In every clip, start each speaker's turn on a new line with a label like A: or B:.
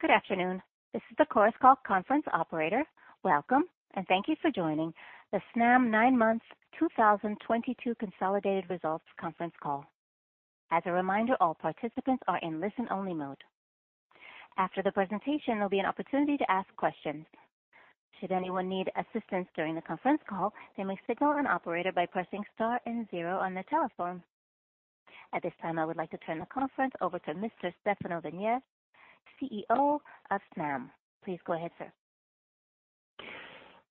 A: Good afternoon. This is the Chorus Call conference operator. Welcome, and thank you for joining the Snam Nine Months 2022 Consolidated Results Conference Call. As a reminder, all participants are in listen-only mode. After the presentation, there'll be an opportunity to ask questions. Should anyone need assistance during the conference call, they may signal an operator by pressing star and zero on their telephone. At this time, I would like to turn the conference over to Mr. Stefano Venier, CEO of Snam. Please go ahead, sir.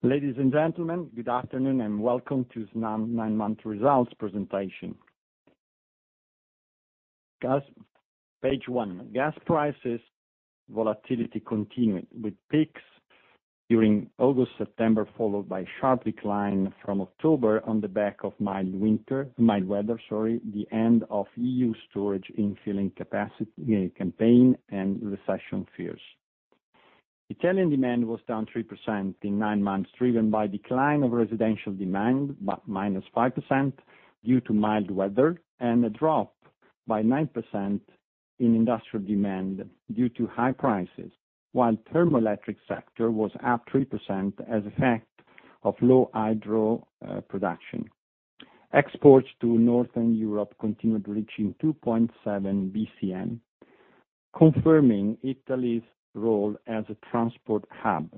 B: Ladies and gentlemen, good afternoon, and welcome to Snam Nine Months Results Presentation. Page one. Gas prices volatility continued, with peaks during August, September, followed by sharp decline from October on the back of mild weather, the end of EU storage filling campaign and recession fears. Italian demand was down 3% in nine months, driven by decline of residential demand, but -5% due to mild weather and a drop by 9% in industrial demand due to high prices, while thermoelectric sector was up 3% as effect of low hydro production. Exports to Northern Europe continued, reaching 2.7 BCM, confirming Italy's role as a transport hub.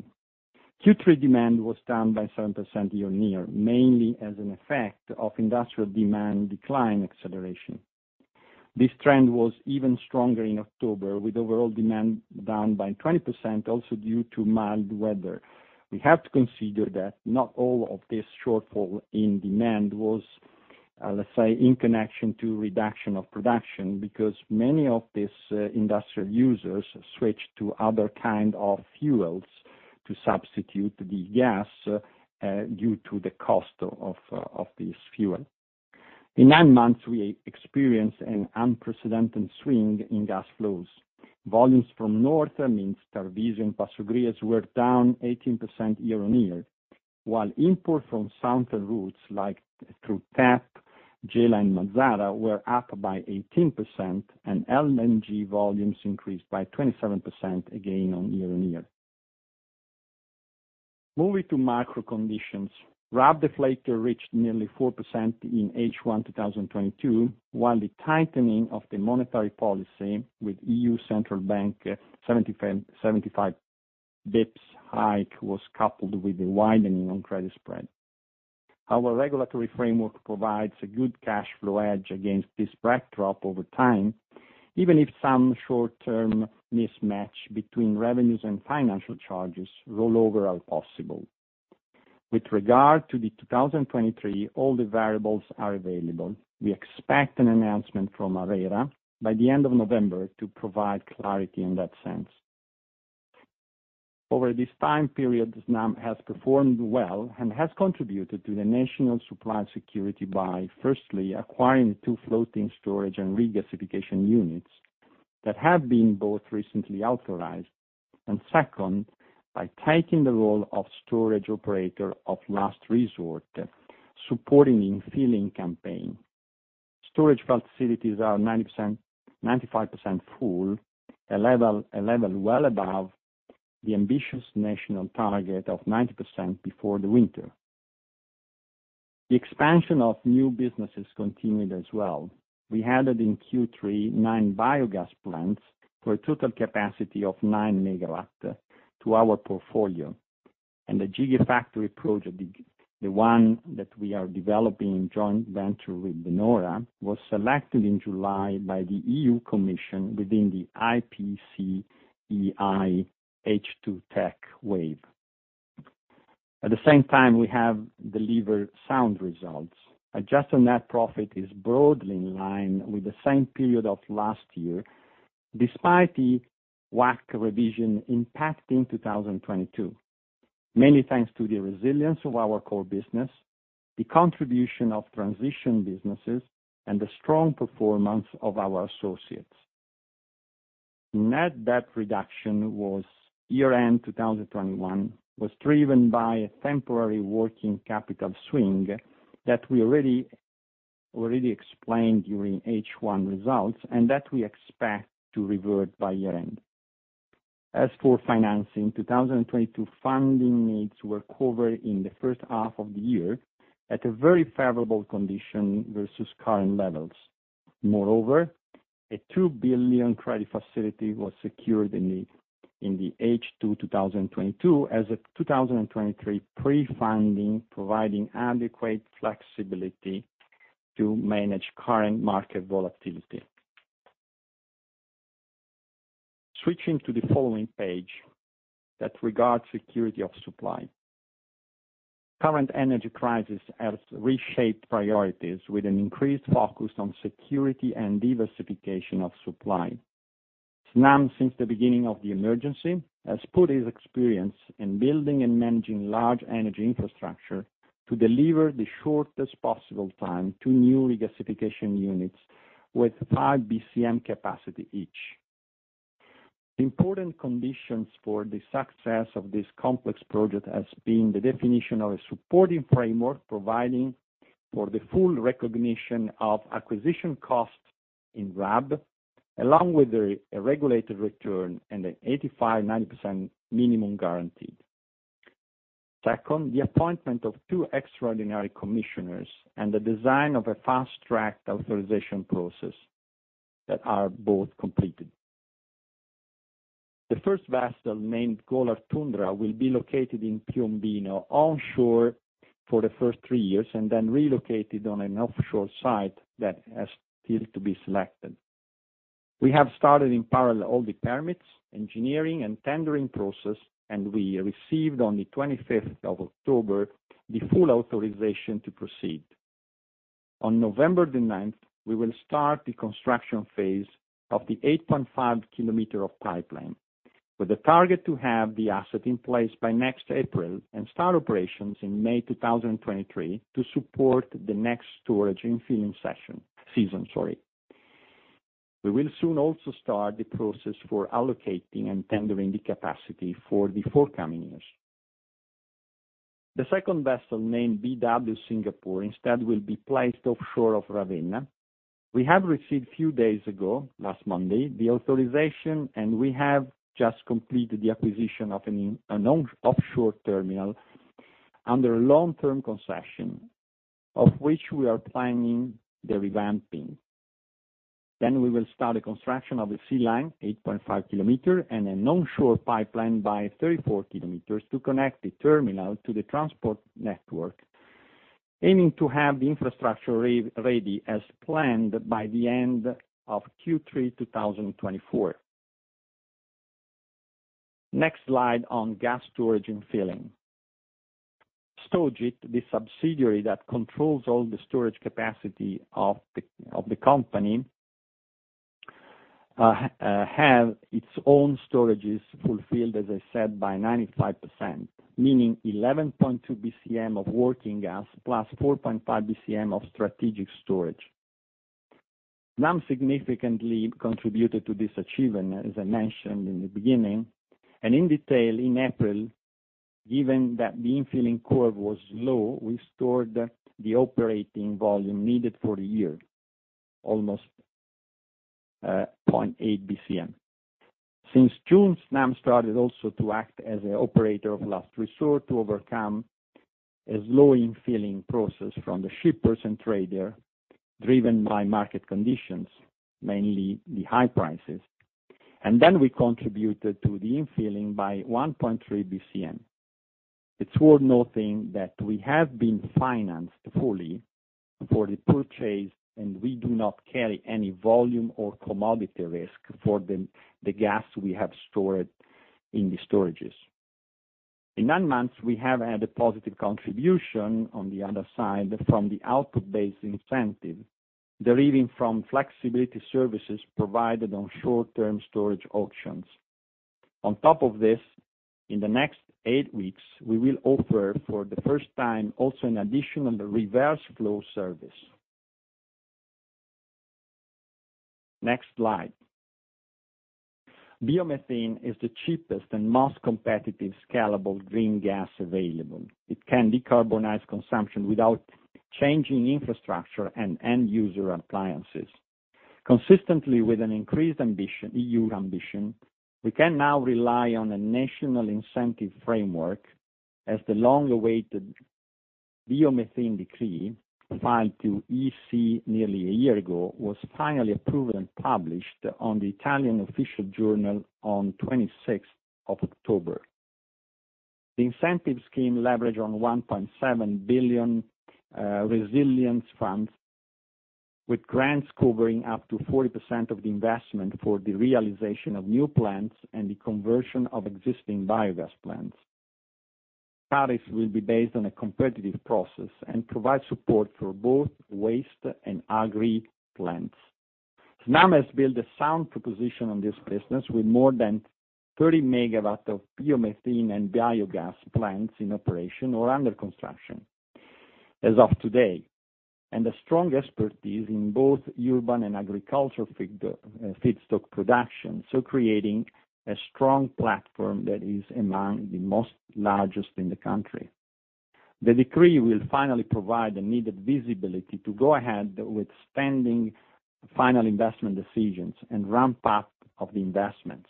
B: Q3 demand was down by 7% year-on-year, mainly as an effect of industrial demand decline acceleration. This trend was even stronger in October, with overall demand down by 20% also due to mild weather. We have to consider that not all of this shortfall in demand was, let's say, in connection to reduction of production because many of these industrial users switched to other kind of fuels to substitute the gas due to the cost of this fuel. In nine months, we experienced an unprecedented swing in gas flows. Volumes from North, that means Tarvisio and Passo Gries, were down 18% year-on-year. While import from southern routes like through TAP, Gela, and Mazara were up by 18% and LNG volumes increased by 27%, again, on year-on-year. Moving to macro conditions. RAB deflator reached nearly 4% in H1 2022, while the tightening of the monetary policy with European Central Bank 75 basis points hike was coupled with the widening of credit spreads. Our regulatory framework provides a good cash flow edge against this backdrop over time, even if some short-term mismatch between revenues and financial charges rollover are possible. With regard to 2023, all the variables are available. We expect an announcement from ARERA by the end of November to provide clarity in that sense. Over this time period, Snam has performed well and has contributed to the national supply security by, firstly, acquiring two floating storage and regasification units that have been both recently authorized. Second, by taking the role of storage operator of last resort, supporting in filling campaign. Storage vault facilities are 90%-95% full, a level well above the ambitious national target of 90% before the winter. The expansion of new businesses continued as well. We added in Q3 9 biogas plants for a total capacity of 9 MW to our portfolio. The Gigafactory project, the one that we are developing in joint venture with De Nora, was selected in July by the EU Commission within the IPCEI Hy2Tech. At the same time, we have delivered sound results. Adjusted net profit is broadly in line with the same period of last year, despite the WACC revision impact in 2022. Many thanks to the resilience of our core business, the contribution of transition businesses, and the strong performance of our associates. Net debt reduction was year-end 2021, was driven by a temporary working capital swing that we already explained during H1 results and that we expect to revert by year end. As for financing, 2022 funding needs were covered in the first half of the year at a very favorable condition versus current levels. Moreover, a 2 billion credit facility was secured in the H2 2022 as of 2023 pre-funding, providing adequate flexibility to manage current market volatility. Switching to the following page that regards security of supply. Current energy crisis has reshaped priorities with an increased focus on security and diversification of supply. Snam, since the beginning of the emergency, has put its experience in building and managing large energy infrastructure to deliver the shortest possible time to new regasification units with 5 BCM capacity each. The important conditions for the success of this complex project has been the definition of a supporting framework providing for the full recognition of acquisition costs in RAB, along with a regulated return and an 85%-90% minimum guarantee. Second, the appointment of two extraordinary commissioners and the design of a fast-tracked authorization process that are both completed. The first vessel, named Golar Tundra, will be located in Piombino onshore for the first three years, and then relocated on an offshore site that has still to be selected. We have started in parallel all the permits, engineering, and tendering process, and we received on the 25th of October the full authorization to proceed. On November the ninth, we will start the construction phase of the 8.5-kilometer pipeline, with a target to have the asset in place by next April and start operations in May 2023 to support the next storage infilling season. Sorry. We will soon also start the process for allocating and tendering the capacity for the forthcoming years. The second vessel, named BW Singapore, instead will be placed offshore of Ravenna. We have received a few days ago, last Monday, the authorization, and we have just completed the acquisition of an onshore terminal under a long-term concession, of which we are planning the revamping. We will start the construction of the sea line, 8.5 km, and an onshore pipeline of 34 km to connect the terminal to the transport network, aiming to have the infrastructure ready as planned by the end of Q3 2024. Next slide on gas storage and filling. Stogit, the subsidiary that controls all the storage capacity of the company, has its own storages fulfilled, as I said, by 95%, meaning 11.2 BCM of working gas plus 4.5 BCM of strategic storage. Snam significantly contributed to this achievement, as I mentioned in the beginning. In detail, in April, given that the infilling curve was low, we stored the operating volume needed for the year, almost 0.8 BCM. Since June, Snam started also to act as an operator of last resort to overcome a slow infilling process from the shippers and trader, driven by market conditions, mainly the high prices. Then we contributed to the infilling by 1.3 BCM. It's worth noting that we have been financed fully for the purchase, and we do not carry any volume or commodity risk for the gas we have stored in the storages. In nine months, we have had a positive contribution on the other side from the output-based incentive, deriving from flexibility services provided on short-term storage auctions. On top of this, in the next eight weeks, we will offer for the first time also an additional reverse flow service. Next slide. Biomethane is the cheapest and most competitive, scalable green gas available. It can decarbonize consumption without changing infrastructure and end user appliances. Consistently with an increased ambition, EU ambition, we can now rely on a national incentive framework as the long-awaited biomethane decree, filed to EC nearly a year ago, was finally approved and published on the Italian official journal on 26th of October. The incentive scheme leverages 1.7 billion resilience funds, with grants covering up to 40% of the investment for the realization of new plants and the conversion of existing biogas plants. Tariffs will be based on a competitive process and provide support for both waste and agri plants. Snam has built a sound proposition on this business with more than 30 megawatts of biomethane and biogas plants in operation or under construction as of today, and a strong expertise in both urban and agricultural feedstock production, so creating a strong platform that is among the most largest in the country. The decree will finally provide the needed visibility to go ahead with spending final investment decisions and ramp up of the investments.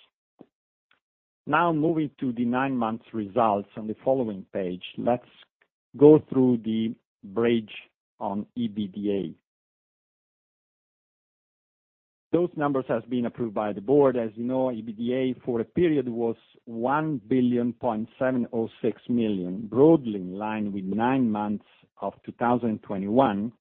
B: Now, moving to the nine-month results on the following page. Let's go through the bridge on EBITDA. Those numbers has been approved by the board. As you know, EBITDA for the period was 1.706 billion, broadly in line with nine months of 2021,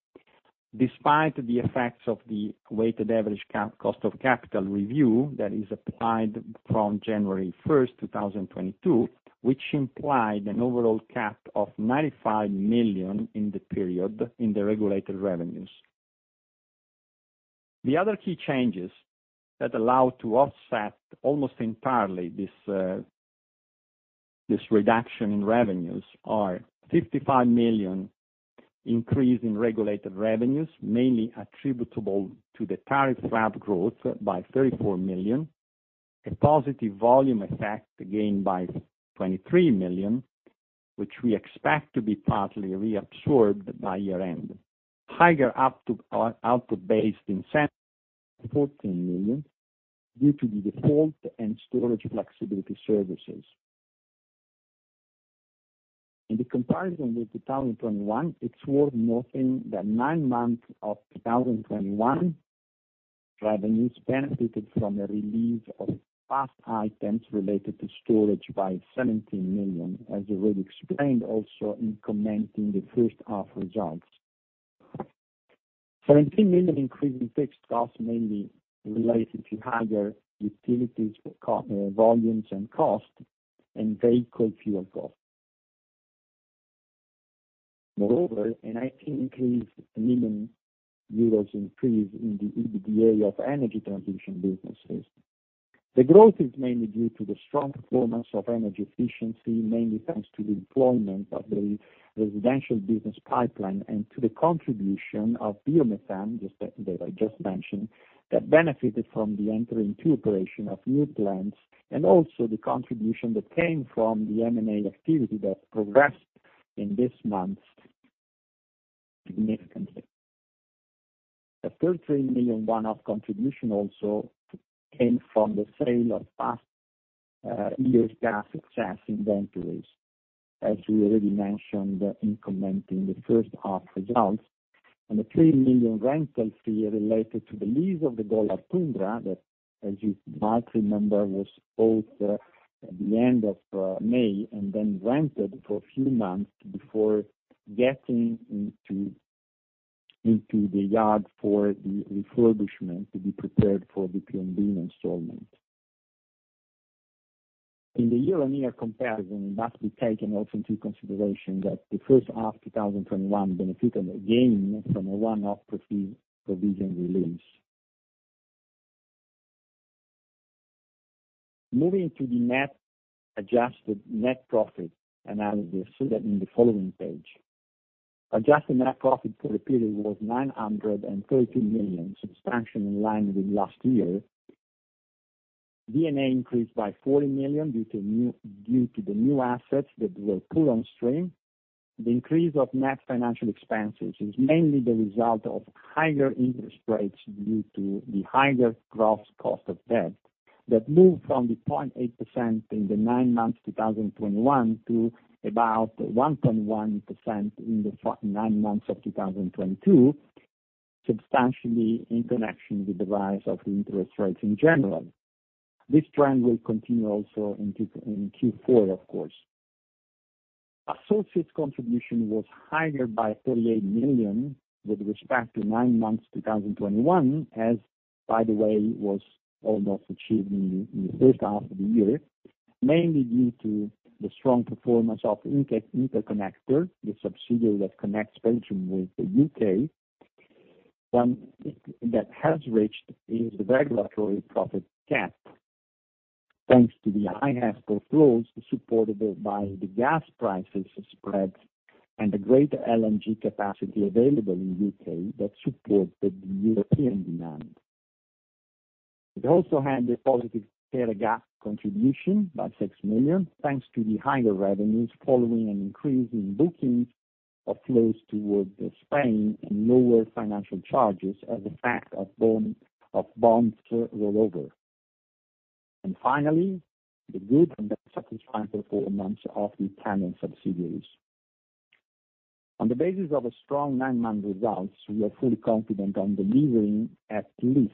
B: despite the effects of the weighted average cost of capital review that is applied from January 1, 2022, which implied an overall cap of 95 million in the period in the regulated revenues. The other key changes that allow to offset almost entirely this reduction in revenues are 55 million increase in regulated revenues, mainly attributable to the tariff RAB growth by 34 million. A positive volume effect again by 23 million, which we expect to be partly reabsorbed by year-end. Higher output-based incentives, 14 million, due to the default and storage flexibility services. In the comparison with 2021, it's worth noting that nine months of 2021 revenues benefited from a release of past items related to storage by 17 million, as already explained also in commenting the first half results. 17 million increase in fixed costs mainly related to higher utilities costs, volumes and costs and vehicle fuel costs. Moreover, an EUR 18 million increase in the EBITDA of energy transition businesses. The growth is mainly due to the strong performance of energy efficiency, mainly thanks to the deployment of the residential business pipeline and to the contribution of biomethane. that I just mentioned, that benefited from the entering into operation of new plants and also the contribution that came from the M&A activity that progressed in this month significantly. 13 million one-off contribution also came from the sale of past years gas excess inventories, as we already mentioned in commenting the first half results. 3 million rental fee related to the lease of the Golar Tundra, that, as you might remember, was bought at the end of May and then rented for a few months before getting into the yard for the refurbishment to be prepared for the Piombino installation. In the year-on-year comparison, it must be taken also into consideration that the first half 2021 benefited again from a one-off profit provision release. Moving to the net adjusted net profit analysis, so that in the following page. Adjusted net profit for the period was 930 million, substantially in line with last year. D&A increased by 40 million due to the new assets that were put on stream. The increase of net financial expenses is mainly the result of higher interest rates due to the higher gross cost of debt, that moved from 0.8% in the nine months 2021 to about 1.1% in the nine months of 2022, substantially in connection with the rise of interest rates in general. This trend will continue also in Q4, of course. Associates' contribution was higher by 48 million with respect to nine months 2021, as, by the way, was almost achieved in the first half of the year, mainly due to the strong performance of Interconnector, the subsidiary that connects Belgium with the U.K., one that has reached its regulatory profit cap. Thanks to the high gas flows supported by the gas price spreads and the greater LNG capacity available in U.K. that supported the European demand. It also had a positive Teréga contribution by 6 million, thanks to the higher revenues following an increase in bookings of flows toward Spain and lower financial charges as a result of bonds rollover. Finally, the good and the satisfying performance of the Italian subsidiaries. On the basis of strong nine-month results, we are fully confident on delivering at least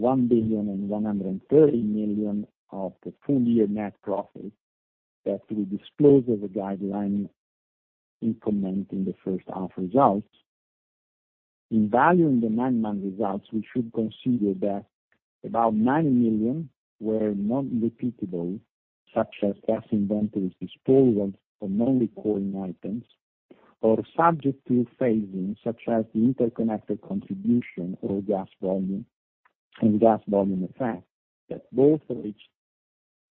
B: 1.13 billion of the full year net profit that we disclosed as a guideline in commenting the first half results. In valuing the nine-month results, we should consider that about 9 million were non-repeatable, such as gas inventories, disposals, or non-recurring items, or subject to phasing, such as the Interconnector contribution or gas volume effect, that both reached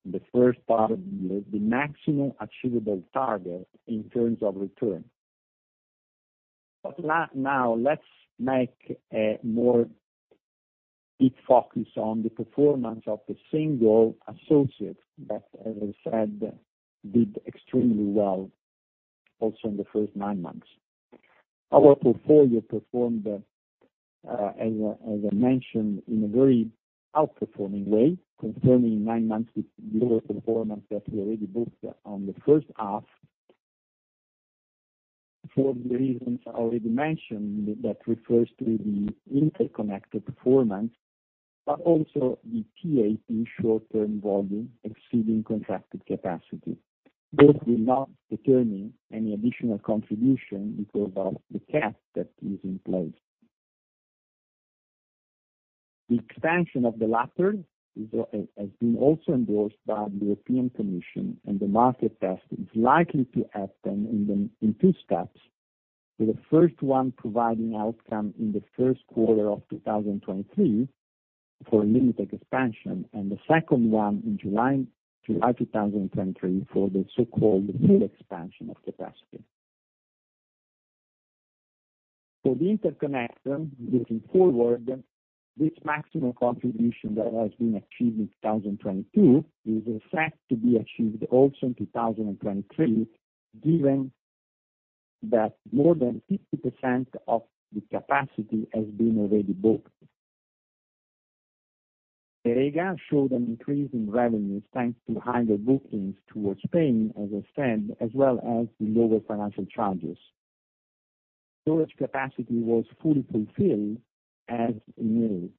B: the first part of the year, the maximum achievable target in terms of return. Now let's make a more deep focus on the performance of the single associates that, as I said, did extremely well also in the first nine months. Our portfolio performed as I mentioned in a very outperforming way, confirming nine months with lower performance that we already booked on the first half for the reasons I already mentioned that refers to the Interconnector performance, but also the TAP short-term volume exceeding contracted capacity. Both will not determine any additional contribution because of the cap that is in place. The expansion of the latter is, has been also endorsed by the European Commission, and the market test is likely to happen in two steps, with the first one providing outcome in the first quarter of 2023 for a limited expansion, and the second one in July 2023 for the so-called full expansion of capacity. For the Interconnector, looking forward, this maximum contribution that has been achieved in 2022 is expected to be achieved also in 2023, given that more than 50% of the capacity has been already booked. Teréga showed an increase in revenues, thanks to higher bookings towards Spain, as I said, as well as the lower financial charges. Storage capacity was fully fulfilled as new.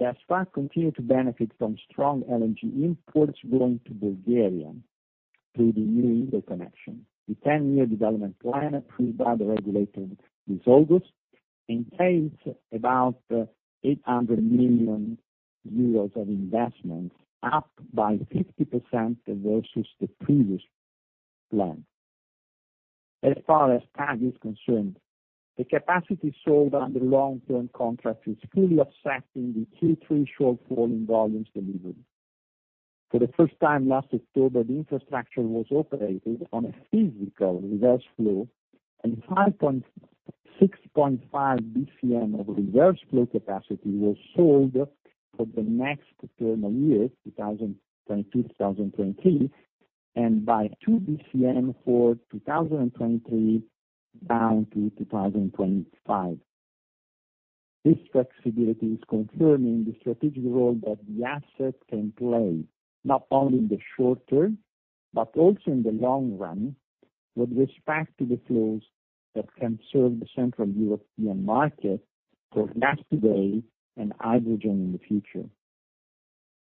B: DESFA continue to benefit from strong LNG imports going to Bulgaria through the new interconnection. The ten-year development plan approved by the regulator this August contains about 800 million euros of investments, up by 50% versus the previous plan. As far as TAG is concerned, the capacity sold under long-term contract is fully offsetting the Q3 shortfall in volumes delivered. For the first time last October, the infrastructure was operated on a physical reverse flow, and 6.5 BCM of reverse flow capacity was sold for the next thermal year, 2022-2023, and two BCM for 2023-2025. This flexibility is confirming the strategic role that the asset can play, not only in the short term, but also in the long run, with respect to the flows that can serve the central European market for gas today and hydrogen in the future.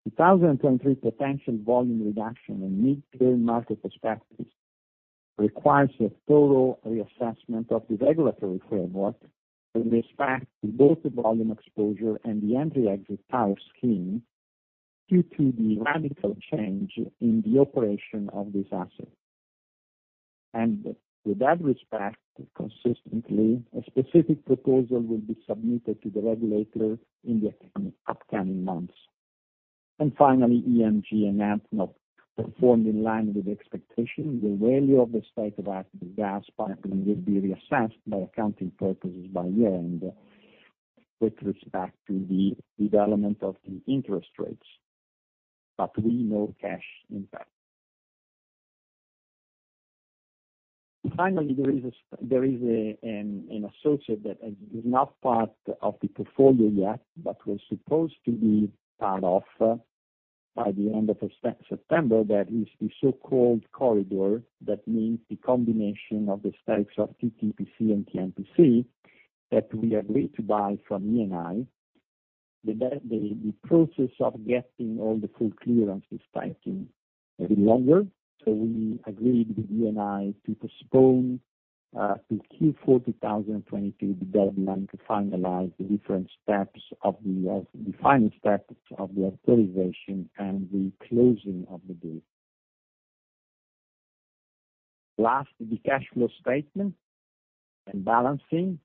B: 2023 potential volume reduction and mid-term market perspectives requires a total reassessment of the regulatory framework with respect to both the volume exposure and the entry-exit tariff scheme due to the radical change in the operation of this asset. With that respect, consistently, a specific proposal will be submitted to the regulator in the upcoming months. Finally, EMG and ADNOC performed in line with expectation. The value of the stake of ADNOC Gas Pipelines will be reassessed for accounting purposes by year-end with respect to the development of the interest rates. But no cash impact. Finally, there is an associate that is not part of the portfolio yet, but was supposed to be part of by the end of September, that is the so-called SeaCorridor. That means the combination of the stakes of TTPC and TMPC that we agreed to buy from Eni. The process of getting all the full clearance is taking a bit longer, so we agreed with Eni to postpone to Q4 2022 the deadline to finalize the different steps of the final steps of the authorization and the closing of the deal. Last, the cash flow statement and balancing.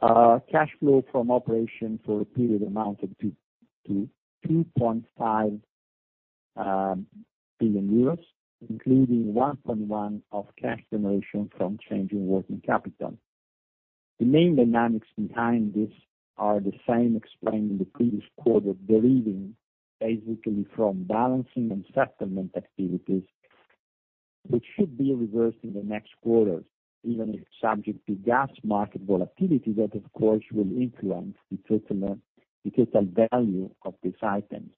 B: Cash flow from operation for the period amounted to 2.5 billion euros, including 1.1 billion of cash generation from change in working capital. The main dynamics behind this are the same explained in the previous quarter, deriving basically from balancing and settlement activities, which should be reversed in the next quarters, even if subject to gas market volatility that, of course, will influence the total value of this item.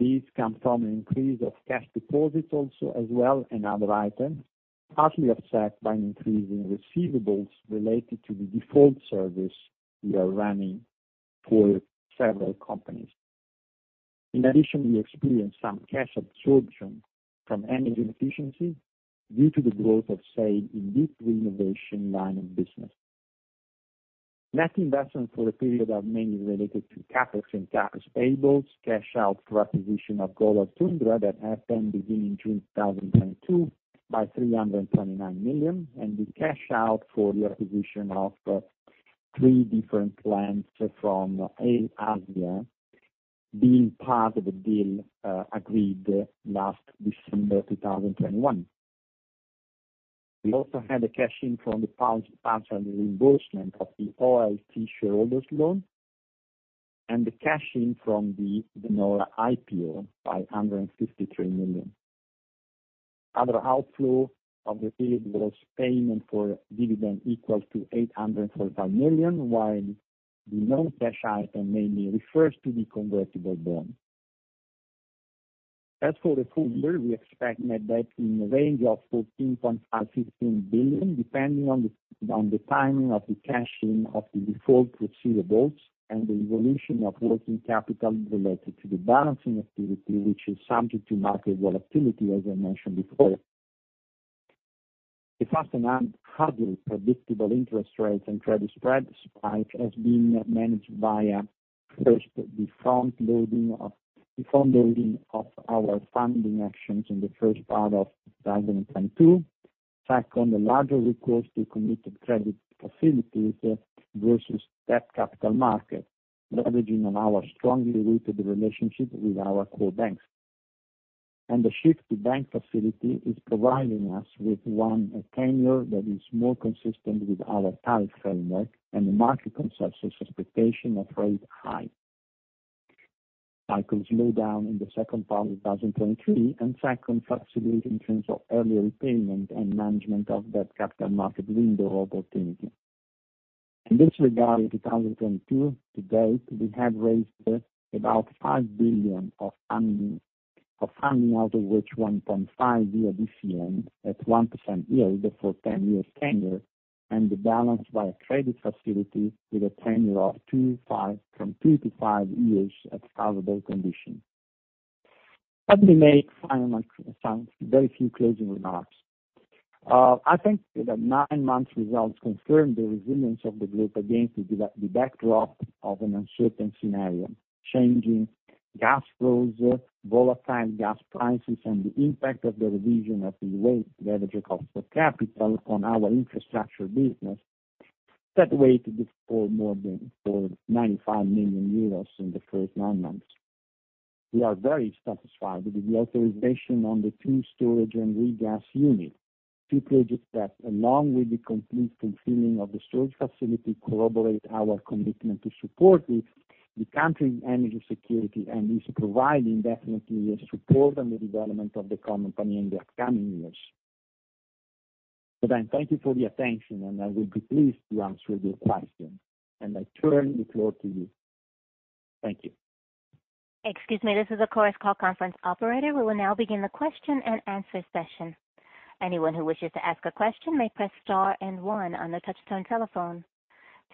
B: These come from an increase of cash deposits also as well, and other items, partly offset by an increase in receivables related to the default service we are running for several companies. In addition, we experienced some cash absorption from energy efficiency due to the growth of, say, in deep renovation line of business. Net investment for the period are mainly related to CapEx and tax payables, cash out for acquisition of Golar Tundra that happened beginning June 2022 by 329 million, and the cash out for the acquisition of three different plants from Aelios, being part of the deal agreed last December 2021. We also had a cash in from the partial reimbursement of the OLT shareholders loan and the cash in from the De Nora IPO by 153 million. Other outflow of the period was payment for dividend equal to 845 million, while the non-cash item mainly refers to the convertible bond. As for the full year, we expect net debt in the range of 14.5 billion-15 billion, depending on the timing of the cash in of the default receivables and the evolution of working capital related to the balancing activity, which is subject to market volatility, as I mentioned before. The first hardly predictable interest rates and credit spread spike has been managed via first, the frontloading of our funding actions in the first part of 2022. Second, the larger recourse to committed credit facilities versus debt capital market, leveraging on our strongly rooted relationship with our core banks. The shift to bank facility is providing us with a tenure that is more consistent with our tariff framework and the market consensus expectation of rate hike. Cycle slowdown in the second part of 2023, and second, flexibility in terms of early repayment and management of that capital market window opportunity. In this regard, in 2022 to date, we have raised about 5 billion of funding out of which 1.5 billion via BCN at 1% yield for 10-year tenure, and the balance by a credit facility with a tenure from two to five years at favorable conditions. Let me make final comments, some very few closing remarks. I think that the nine-month results confirm the resilience of the group against the backdrop of an uncertain scenario, changing gas flows, volatile gas prices, and the impact of the revision of the weight, leverage, and cost of capital on our infrastructure business that weighed in more than 95 million euros in the first nine months. We are very satisfied with the authorization on the two storage and regas unit. Two projects that, along with the complete refilling of the storage facility, corroborate our commitment to support the country's energy security and is providing definitely a support on the development of the company in the upcoming years. Thank you for your attention, and I will be pleased to answer your questions, and I turn the floor to you. Thank you.
A: Excuse me. This is a Chorus Call conference operator. We will now begin the question and answer session. Anyone who wishes to ask a question may press Star and One on their touchtone telephone.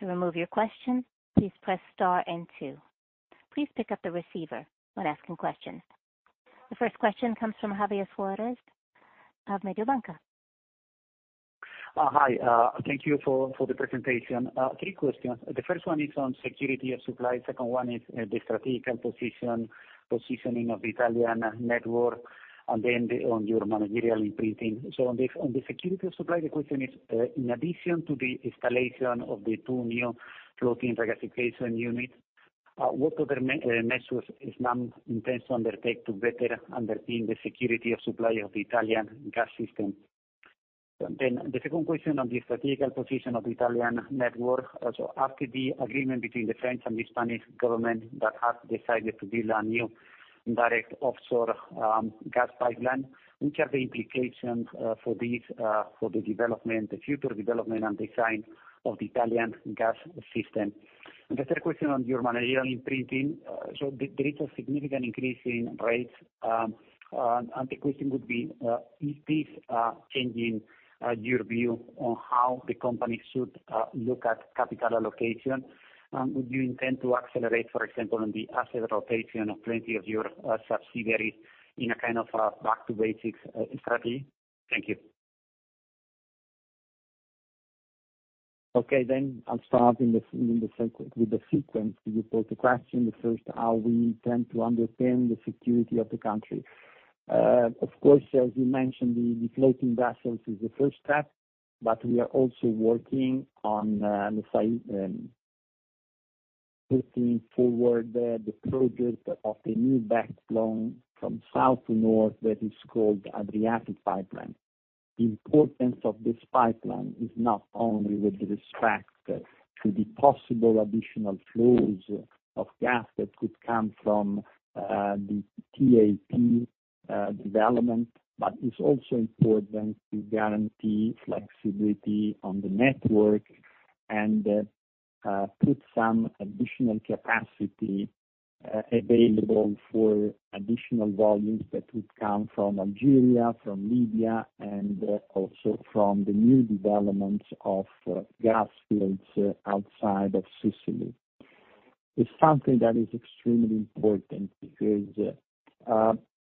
A: To remove your question, please press Star and Two. Please pick up the receiver when asking questions. The first question comes from Javier Suarez of Mediobanca.
C: Hi. Thank you for the presentation. Three questions. The first one is on security of supply. Second one is the strategic and positioning of the Italian network, and then on your managerial imprinting. On the security of supply, the question is, in addition to the installation of the two new floating regasification unit, what other measures is Snam intend to undertake to better underpin the security of supply of the Italian gas system? The second question on the strategic position of Italian network. After the agreement between the French and the Spanish government that have decided to build a new direct offshore gas pipeline, which are the implications for the development, the future development, and design of the Italian gas system. The third question on your managerial imprinting. There is a significant increase in rates, and the question would be, is this changing your view on how the company should look at capital allocation? Would you intend to accelerate, for example, on the asset rotation of plenty of your subsidiaries in a kind of back to basics strategy? Thank you.
B: I will start with the sequence you put the question. The first, how we tend to underpin the security of the country. Of course, as you mentioned, the floating vessels is the first step, but we are also working on putting forward the project of the new backbone from south to north that is called Adriatic Line. The importance of this pipeline is not only with respect to the possible additional flows of gas that could come from the TAP development, but it's also important to guarantee flexibility on the network and put some additional capacity available for additional volumes that would come from Algeria, from Libya, and also from the new developments of gas fields outside of Sicily. It's something that is extremely important because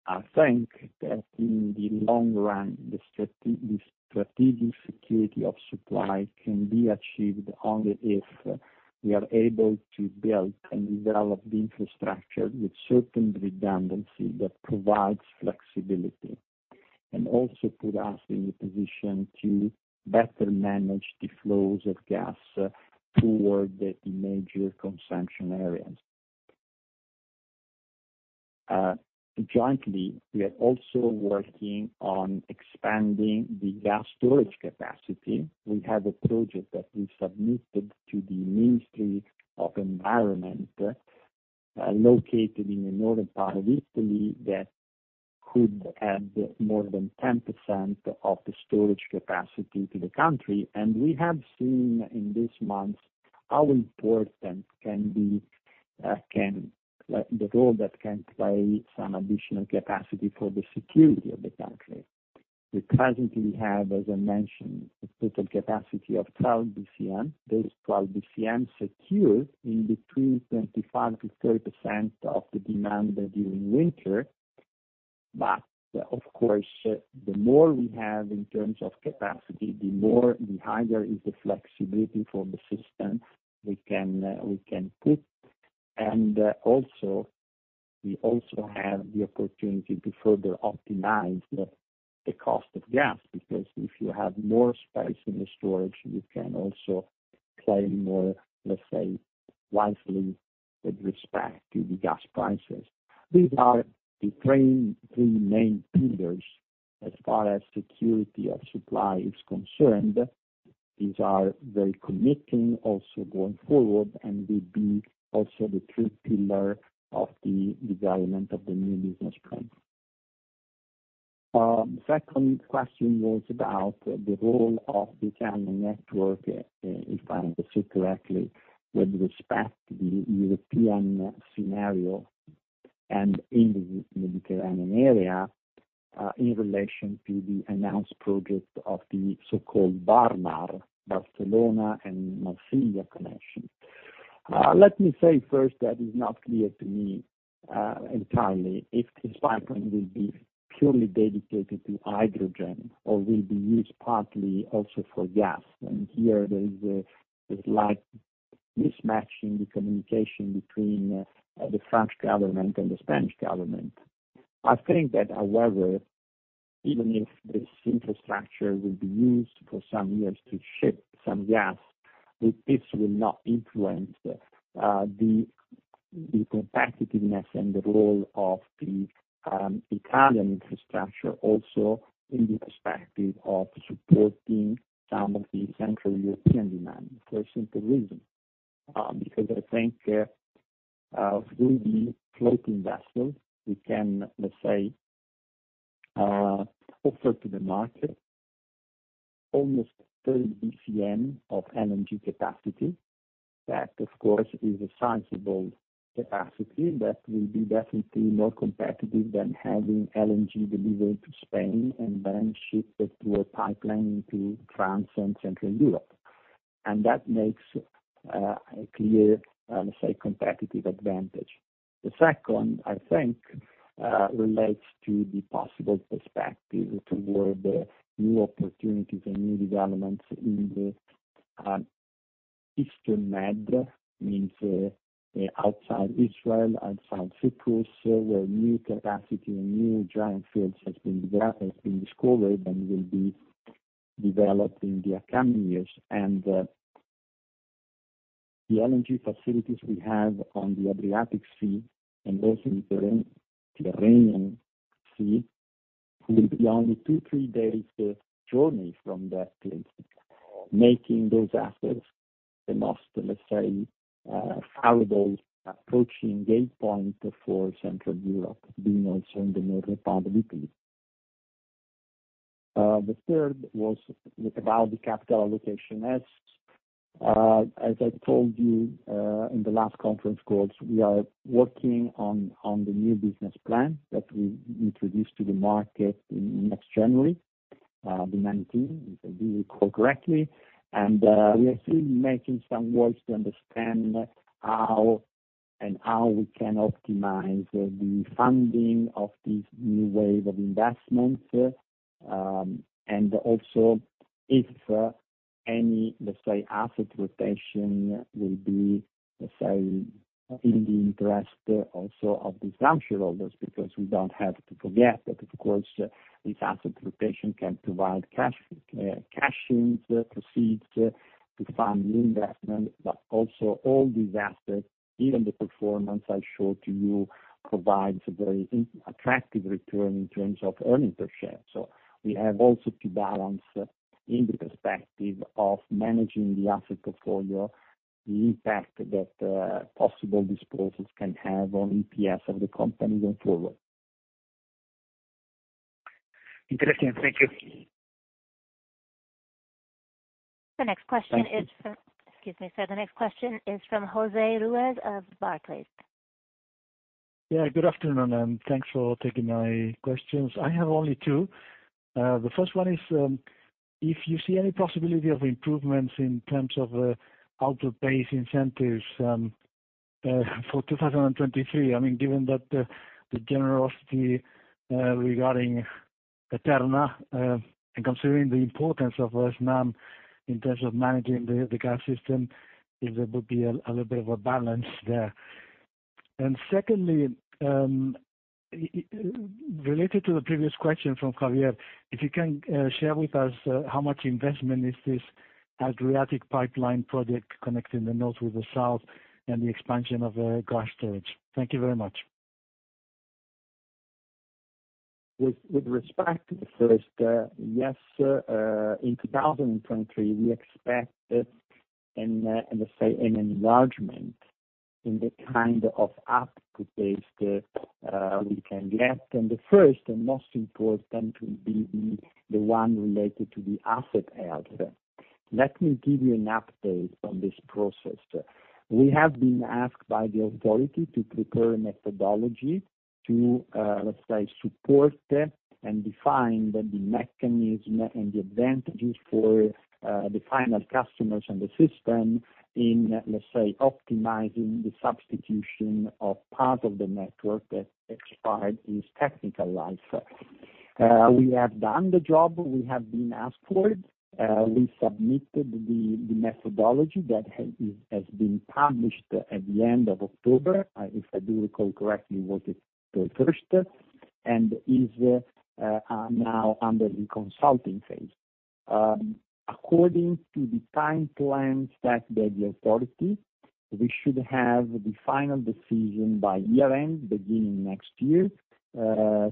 B: I think that in the long run, the strategic security of supply can be achieved only if we are able to build and develop the infrastructure with certain redundancy that provides flexibility, and also put us in a position to better manage the flows of gas toward the major consumption areas. Jointly, we are also working on expanding the gas storage capacity. We have a project that we submitted to the Ministry of Environment, located in the northern part of Italy, that could add more than 10% of the storage capacity to the country. We have seen in these months how important the role that can play some additional capacity for the security of the country. We currently have, as I mentioned, a total capacity of 12 BCM. Those 12 BCM secure in between 25%-30% of the demand during winter. Of course, the more we have in terms of capacity, the more the higher is the flexibility for the system we can put. Also, we also have the opportunity to further optimize the cost of gas, because if you have more space in the storage, you can also trade or, let's say, wisely with respect to the gas prices. These are the three main pillars as far as security of supply is concerned. These are very committing also going forward and will be also the true pillar of the development of the new business plan. Second question was about the role of the Italian network, if I understood correctly, with respect to the European scenario and in the Mediterranean area, in relation to the announced project of the so-called BarMar, Barcelona and Marseille connection. Let me say first that is not clear to me entirely if this pipeline will be purely dedicated to hydrogen or will be used partly also for gas. Here there is a, there's like mismatch in the communication between the French government and the Spanish government. I think that, however, even if this infrastructure will be used for some years to ship some gas, this will not influence the competitiveness and the role of the Italian infrastructure also in the perspective of supporting some of the central European demand for a simple reason. Because I think through the floating vessels, we can, let's say, offer to the market almost 30 BCM of LNG capacity. That, of course, is a sizable capacity that will be definitely more competitive than having LNG delivered to Spain and then shipped through a pipeline to France and Central Europe. That makes a clear, let's say, competitive advantage. The second, I think, relates to the possible perspective toward new opportunities and new developments in the Eastern Med, means outside Israel, outside Cyprus, where new capacity and new giant fields has been discovered and will be developed in the upcoming years. The LNG facilities we have on the Adriatic Sea and also Mediterranean Sea will be only two to three days journey from that place, making those assets the most, let's say, favorable approaching gate point for Central Europe, being also in the middle part of Italy. The third was about the capital allocation. As, as I told you, in the last conference calls, we are working on the new business plan that we introduce to the market next January 19, if I do recall correctly. We are still making some works to understand how we can optimize the funding of this new wave of investments. If any, let's say, asset rotation will be, let's say, in the interest also of the shareholders, because we don't have to forget that of course, this asset rotation can provide cash proceeds to fund new investment, but also all these assets, given the performance I showed to you, provides a very unattractive return in terms of earnings per share. We have also to balance in the perspective of managing the asset portfolio, the impact that possible disposals can have on EPS of the company going forward.
C: Interesting. Thank you.
A: The next question is from.
B: Thank you.
A: Excuse me, sir. The next question is from Jose Ruiz of Barclays.
D: Yeah, good afternoon, and thanks for taking my questions. I have only two. The first one is, if you see any possibility of improvements in terms of, output-based incentives, for 2023. I mean, given that, the generosity, regarding Terna, and considering the importance of Snam in terms of managing the gas system, if there would be a little bit of a balance there. Secondly, related to the previous question from Javier, if you can share with us, how much investment is this Adriatic pipeline project connecting the north with the south and the expansion of gas storage. Thank you very much.
B: With respect to the first, yes, in 2023, we expect an, let's say, an enlargement in the kind of output-based we can get. The first and most important will be the one related to the asset health. Let me give you an update on this process. We have been asked by the authority to prepare a methodology to, let's say, support and define the mechanism and the advantages for, the final customers and the system in, let's say, optimizing the substitution of part of the network that expired its technical life. We have done the job we have been asked for. We submitted the methodology that has been published at the end of October. If I do recall correctly, it was the first and is now under the consulting phase. According to the time plans set by the authority, we should have the final decision by year-end, beginning next year, to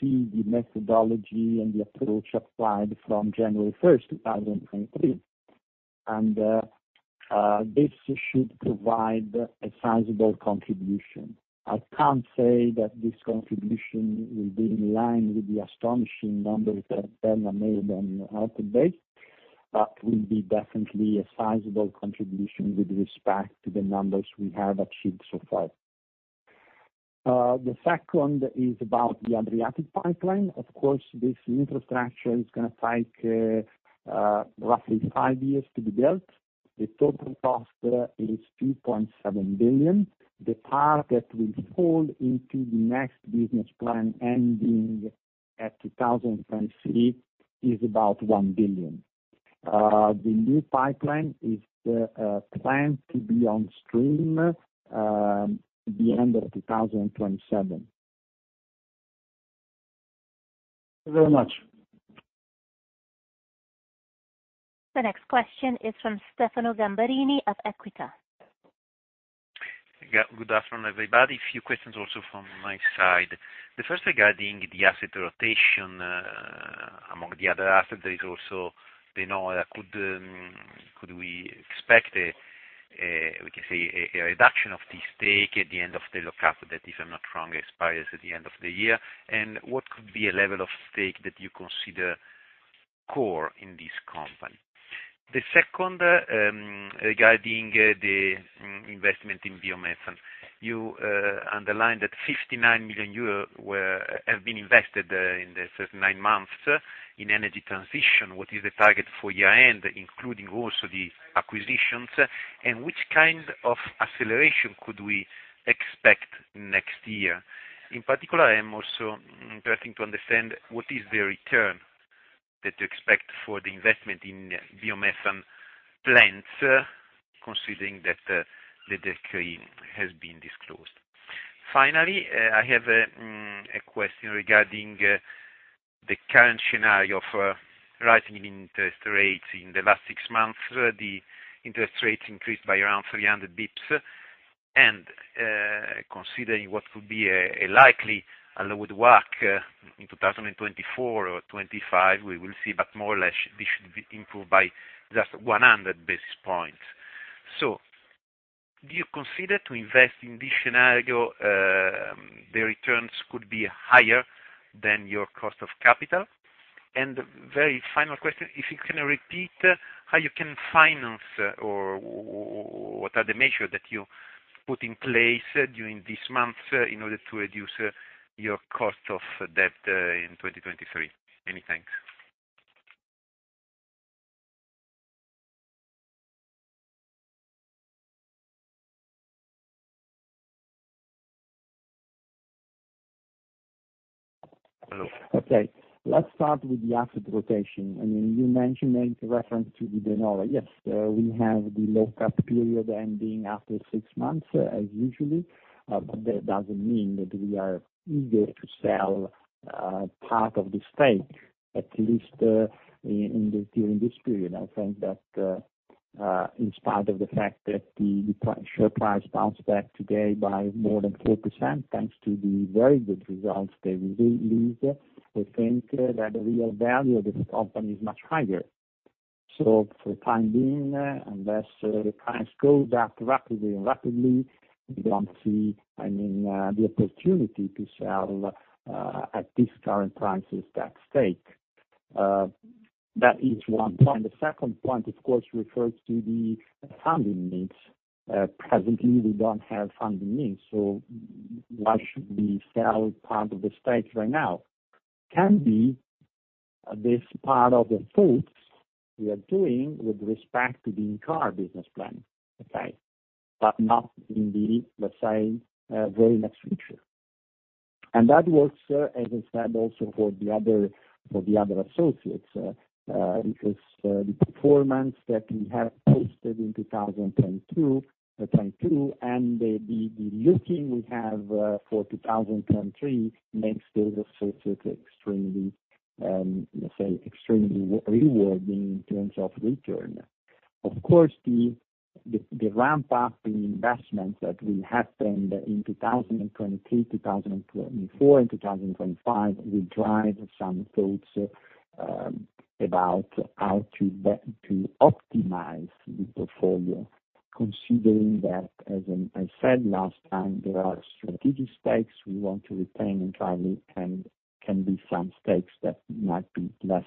B: see the methodology and the approach applied from January 1, 2023. This should provide a sizable contribution. I can't say that this contribution will be in line with the astonishing numbers that Enel made on an output base, but will be definitely a sizable contribution with respect to the numbers we have achieved so far. The second is about the Adriatic Line. Of course, this infrastructure is gonna take roughly five years to be built. The total cost is 2.7 billion. The part that will fall into the next business plan, ending at 2023, is about 1 billion. The new pipeline is planned to be on stream the end of 2027.
D: Thank you very much.
A: The next question is from Stefano Gamberini of Equita.
E: Yeah. Good afternoon, everybody. A few questions also from my side. The first regarding the asset rotation, among the other assets, there is also, you know, could we expect a, we can say, a reduction of the stake at the end of the lock-up that, if I'm not wrong, expires at the end of the year? And what could be a level of stake that you consider core in this company? The second, regarding the investment in biomethane. You underlined that 59 million euros have been invested in the first nine months in energy transition. What is the target for year-end, including also the acquisitions? And which kind of acceleration could we expect next year? In particular, I am also trying to understand what is the return that you expect for the investment in biomethane plants, considering that the decline has been disclosed. Finally, I have a question regarding the current scenario of rising interest rates. In the last six months, the interest rates increased by around 300 basis points. Considering what could be a likely WACC in 2024 or 2025, we will see, but more or less this should be impacted by just 100 basis points. Do you consider to invest in this scenario, the returns could be higher than your cost of capital? Very final question, if you can repeat how you can finance or what are the measures that you put in place during this month, in order to reduce your cost of debt, in 2023. Many thanks.
B: Okay. Let's start with the asset rotation. I mean, you mentioned making a reference to the De Nora. Yes, we have the lockup period ending after six months as usual. But that doesn't mean that we are eager to sell part of the stake, at least in during this period. I think that in spite of the fact that the share price bounced back today by more than 4%, thanks to the very good results they released, we think that the real value of this company is much higher. For the time being, unless the price goes back rapidly, we don't see, I mean, the opportunity to sell at these current prices that stake. That is one point. The second point, of course, refers to the funding needs. Presently, we don't have funding needs, so why should we sell part of the stake right now? This can be part of the thoughts we are doing with respect to the entire business plan, okay? Not in the, let's say, very next future. That works, as I said, also for the other associates. Because the performance that we have posted in 2022 and the outlook we have for 2023 makes those associates extremely, let's say, extremely rewarding in terms of return. Of course, the ramp-up in investments that will happen in 2023, 2024, and 2025 will drive some thoughts about how to optimize the portfolio, considering that, as I said last time, there are strategic stakes we want to retain, and probably can be some stakes that might be less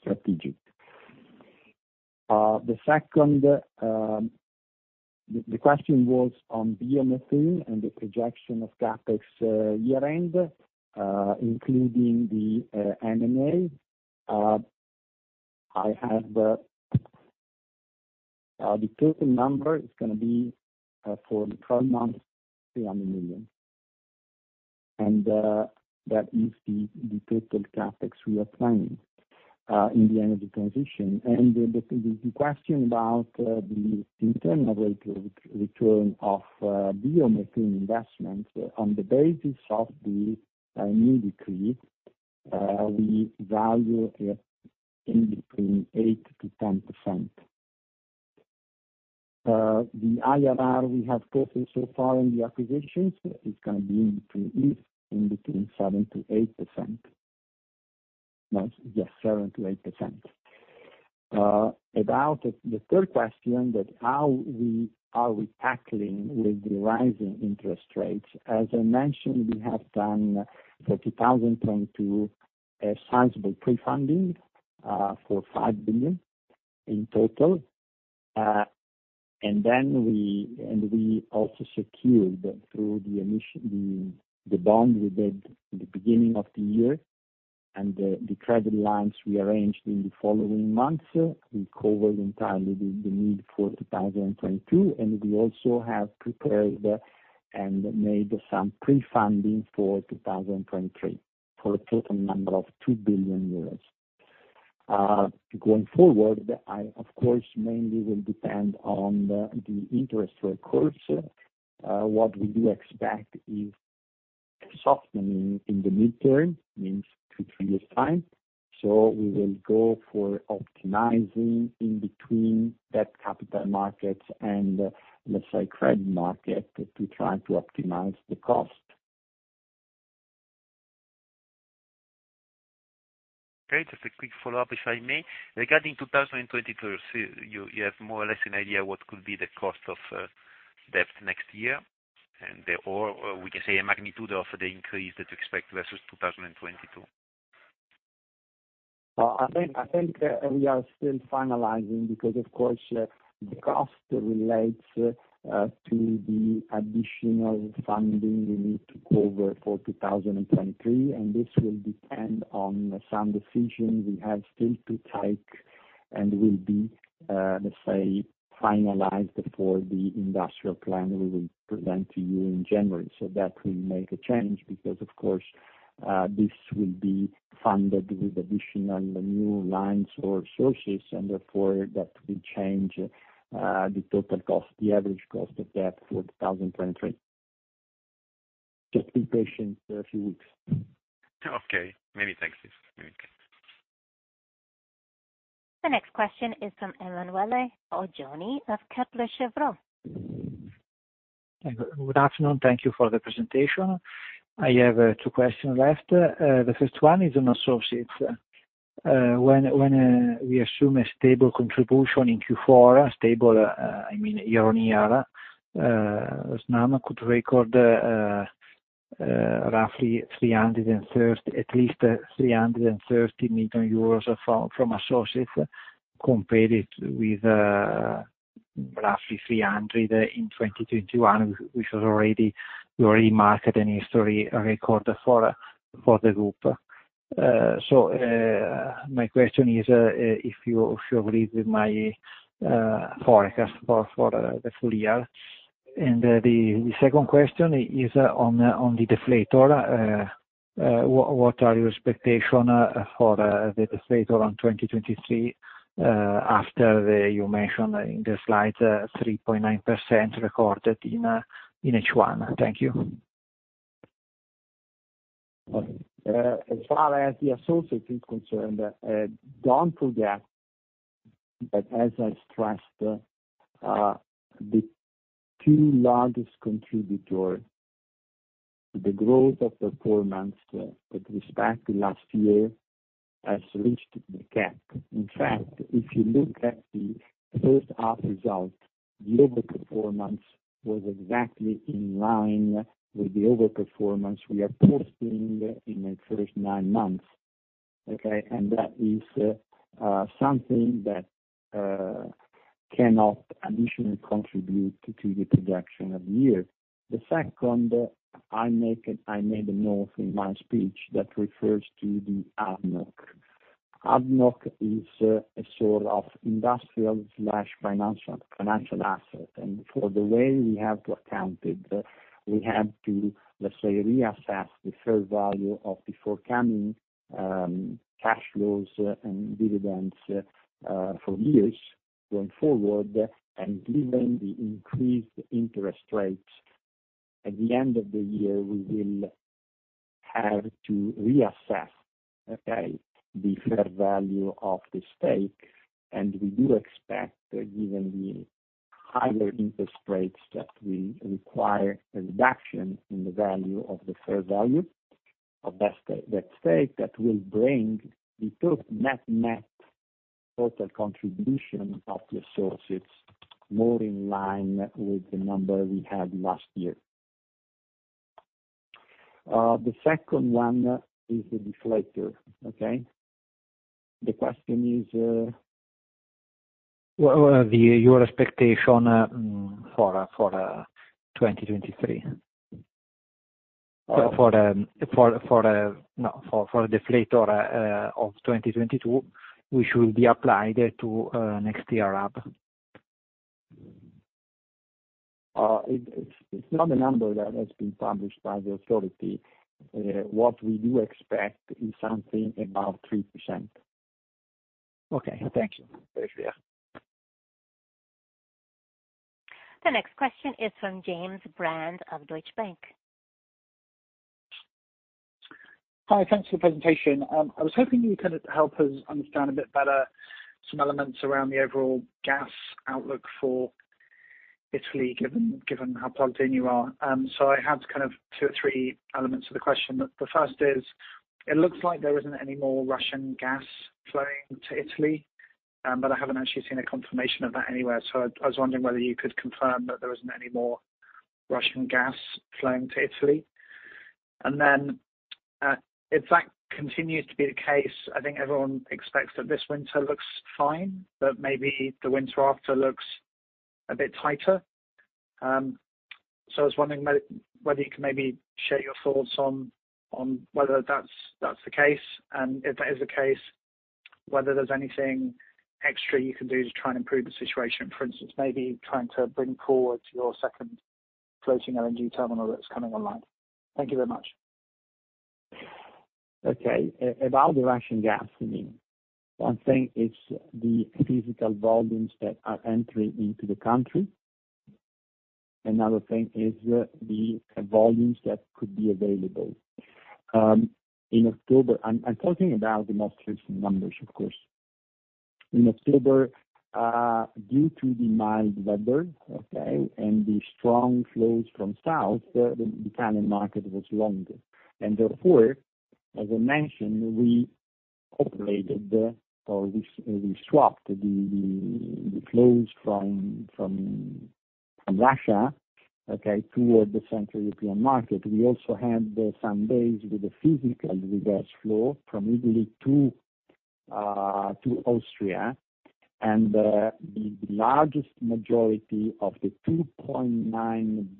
B: strategic. The second. The question was on biomethane and the projection of CapEx year-end, including the M&A. I have the total number is gonna be for the 12 months, 300 million. That is the total CapEx we are planning in the energy transition. The question about the internal rate of return of biomethane investment on the basis of the new decree, we value it between 8%-10%. The IRR we have posted so far in the acquisitions is gonna be between 7%-8%. No, just 7%-8%. About the third question that how we are tackling with the rising interest rates. As I mentioned, we have done for 2022 a sizable prefunding for 5 billion in total. We also secured through the bond we did in the beginning of the year and the credit lines we arranged in the following months, we covered entirely the need for 2022, and we also have prepared and made some prefunding for 2023 for a total number of 2 billion euros. Going forward, of course, mainly will depend on the interest rate course. What we do expect is a softening in the mid-term, means two, three years time. We will go for optimizing in between the capital markets and, let's say, credit market to try to optimize the cost.
E: Great. Just a quick follow-up, if I may. Regarding 2022, you have more or less an idea what could be the cost of debt next year, and or we can say a magnitude of the increase that you expect versus 2022?
B: I think we are still finalizing because, of course, the cost relates to the additional funding we need to cover for 2023, and this will depend on some decisions we have still to take and will be, let's say, finalized for the industrial plan we will present to you in January. That will make a change because, of course, this will be funded with additional new lines or sources, and therefore, that will change the total cost, the average cost of debt for 2023. Just be patient a few weeks.
E: Okay. Many thanks.
A: The next question is from Emanuele Oggioni of Kepler Cheuvreux.
F: Good afternoon. Thank you for the presentation. I have two questions left. The first one is on associates. When we assume a stable contribution in Q4, stable, I mean, year on year, Snam could record roughly 330 million, at least 330 million euros from associates, compare it with roughly 300 million in 2021, which was already a historic record for the group. My question is if you agree with my forecast for the full year. The second question is on the deflator. What are your expectations for the deflator on 2023, after the... You mentioned in the slide 3.9% recorded in H1. Thank you.
B: As far as the associate is concerned, don't forget that as I stressed, the two largest contributor to the growth of performance, with respect to last year has reached the cap. In fact, if you look at the first half result, the overperformance was exactly in line with the overperformance we are posting in the first nine months. Okay? That is something that cannot additionally contribute to the projection of the year. The second, I made a note in my speech that refers to the ADNOC. ADNOC is a sort of industrial/financial asset. For the way we have to account it, we have to, let's say, reassess the fair value of the forthcoming cash flows and dividends for years going forward. Given the increased interest rates, at the end of the year, we will have to reassess, okay, the fair value of the stake. We do expect, given the higher interest rates, that will require a reduction in the value of the fair value of that stake, that will bring the total net total contribution of the associates more in line with the number we had last year. The second one is the deflator. Okay? The question is...
F: What are your expectation for 2023? For deflator of 2022, which will be applied to next year up.
B: It's not a number that has been published by the authority. What we do expect is something above 3%.
F: Okay. Thank you.
B: Thank you.
A: The next question is from James Brand of Deutsche Bank.
G: Hi. Thanks for the presentation. I was hoping you could help us understand a bit better some elements around the overall gas outlook for Italy, given how plugged in you are. I had kind of two or three elements to the question. The first is, it looks like there isn't any more Russian gas flowing to Italy, but I haven't actually seen a confirmation of that anywhere. I was wondering whether you could confirm that there isn't any more Russian gas flowing to Italy. If that continues to be the case, I think everyone expects that this winter looks fine, but maybe the winter after looks a bit tighter. I was wondering whether you can maybe share your thoughts on whether that's the case, and if that is the case, whether there's anything extra you can do to try and improve the situation? For instance, maybe trying to bring forward your second floating LNG terminal that's coming online. Thank you very much.
B: Okay. About the Russian gas, you mean. One thing is the physical volumes that are entering into the country. Another thing is the volumes that could be available. In October, I'm talking about the most recent numbers, of course. In October, due to the mild weather and the strong flows from south, the Italian market was longer. Therefore, as I mentioned, we swapped the flows from Russia toward the Central European market. We also had some days with the physical reverse flow from Italy to Austria, and the largest majority of the 2.9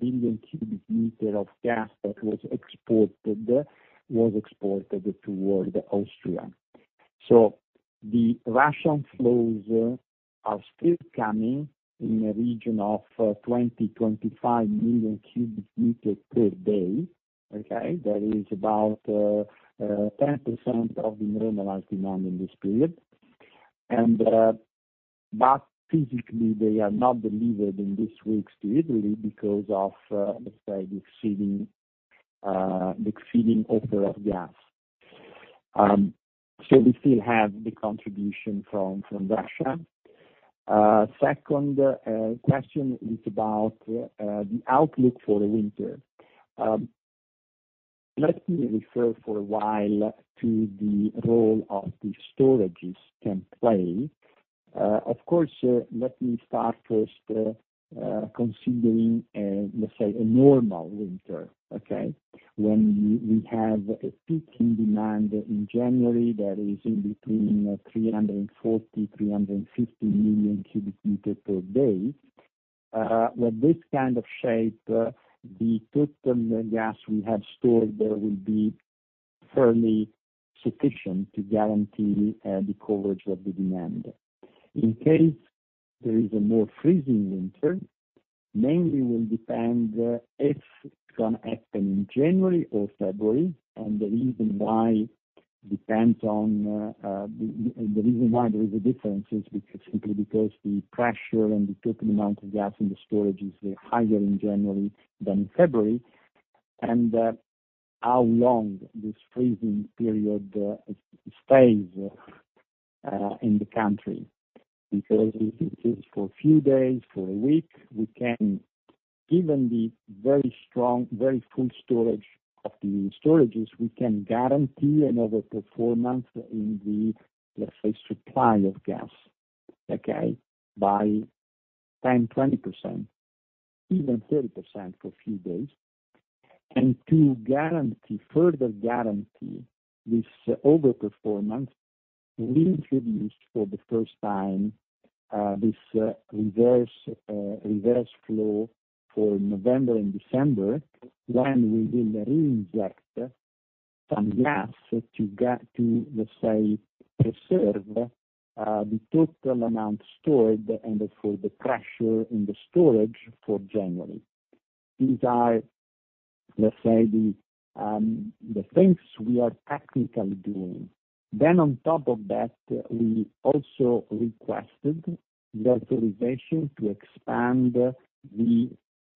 B: billion cubic meter of gas that was exported was exported toward Austria. The Russian flows are still coming in a region of 20-25 million cubic meter per day. That is about 10% of the normalized demand in this period. But physically, they are not delivered in this week's delivery because of, let's say, the exceeding offer of gas. So we still have the contribution from Russia. Second question is about the outlook for the winter. Let me refer for a while to the role of the storages can play. Of course, let me start first, considering, let's say a normal winter, okay? When we have a peak in demand in January that is between 340 and 350 million cubic meter per day. With this kind of shape, the total gas we have stored there will be fairly sufficient to guarantee the coverage of the demand. In case there is a more freezing winter, mainly will depend if it's gonna happen in January or February, and the reason why depends on the reason why there is a difference is because the pressure and the total amount of gas in the storage is higher in January than in February, and how long this freezing period stays in the country. Because if it is for a few days, for a week, Given the very strong, very full storage of the storages, we can guarantee another performance in the, let's say, supply of gas, okay, by 10, 20%, even 30% for a few days. To further guarantee this over-performance, we introduced for the first time this reverse flow for November and December, when we will reinject some gas to get to, let's say, preserve the total amount stored and therefore the pressure in the storage for January. These are, let's say, the things we are technically doing. On top of that, we also requested the authorization to expand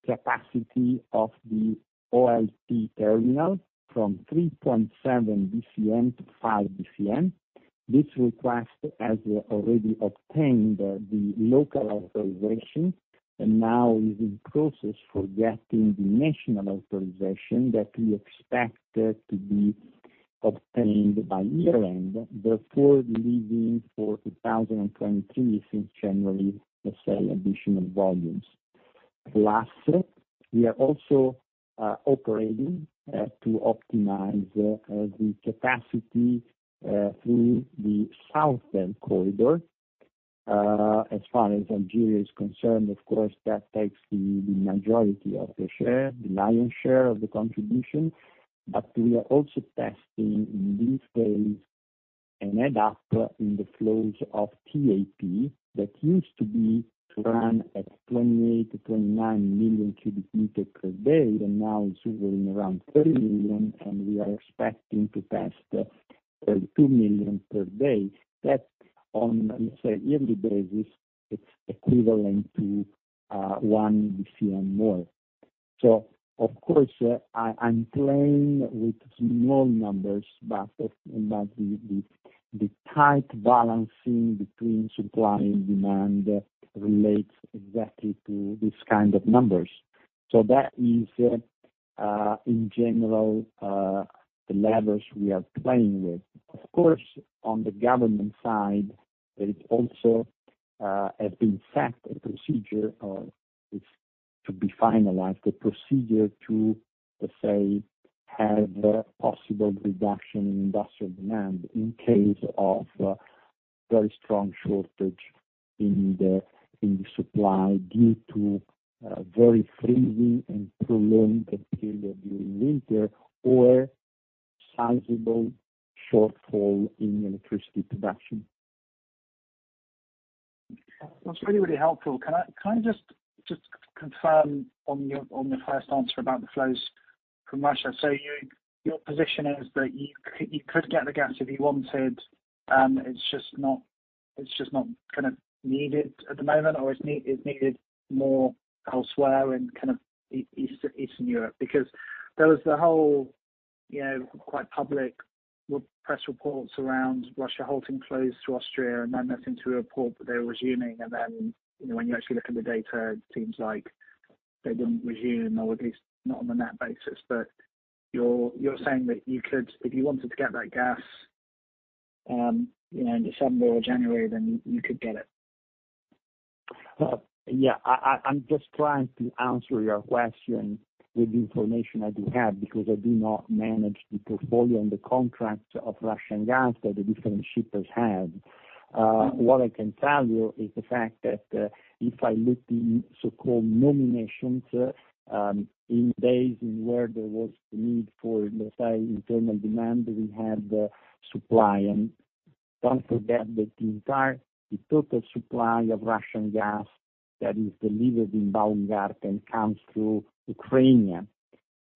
B: the capacity of the OLT terminal from 3.7 BCM-5 BCM. This request has already obtained the local authorization and now is in process for getting the national authorization that we expect to be obtained by year-end, therefore delivering for 2023 since January, let's say, additional volumes. Last, we are also operating to optimize the capacity through the southern SeaCorridor. As far as Algeria is concerned, of course, that takes the majority of the share, the lion's share of the contribution, but we are also testing in these phases, and add up in the flows of TAP that used to be run at 28-29 million cubic meters per day, and now it's hovering around 30 million, and we are expecting to test 32 million per day. That's on, let me say, yearly basis, it's equivalent to one BCM more. Of course, I'm playing with small numbers, but the tight balancing between supply and demand relates exactly to this kind of numbers. That is in general the levers we are playing with. Of course, on the government side, there has been set a procedure, or it's to be finalized, a procedure to, let's say, have possible reduction in industrial demand in case of a very strong shortage in the supply due to a very freezing and prolonged period during winter or sizable shortfall in electricity production.
G: That's really helpful. Can I just confirm on your first answer about the flows from Russia? Your position is that you could get the gas if you wanted, it's just not kind of needed at the moment, or it's needed more elsewhere in kind of Eastern Europe. Because there was the whole, you know, quite public press reports around Russia halting flows through Austria, and then nothing to report, but they were resuming. Then you know, when you actually look at the data, it seems like they didn't resume, or at least not on the net basis. You're saying that you could if you wanted to get that gas, you know, in December or January, then you could get it.
B: Yeah. I'm just trying to answer your question with the information I do have, because I do not manage the portfolio and the contracts of Russian gas that the different shippers have. What I can tell you is the fact that, if I look in so-called nominations, in days where there was the need for, let's say, internal demand, we had the supply. Don't forget that the entire, the total supply of Russian gas that is delivered in Baumgarten comes through Ukraine,